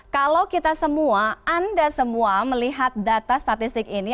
kalau kita semua anda semua melihat data statistik ini